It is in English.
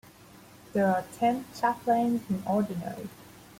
There are ten "Chaplains in Ordinary".